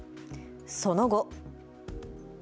その後。